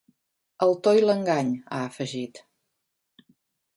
El to i l’engany, ha afegit.